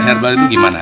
obat herbal itu gimana